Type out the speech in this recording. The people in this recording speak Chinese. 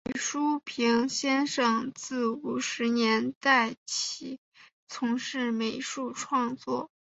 李叔平先生自五十年代起从事美术创作。